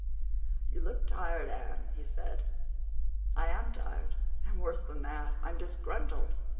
"You look tired, Anne," he said. "I am tired, and, worse than that, I'm disgruntled.